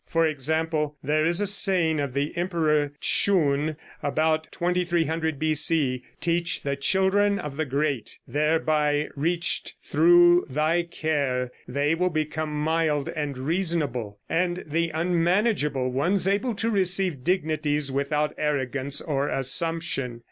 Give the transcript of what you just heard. For example: There is a saying of the Emperor Tschun, about 2300 B.C., "Teach the children of the great; thereby reached through thy care they will become mild and reasonable, and the unmanageable ones able to receive dignities without arrogance or assumption.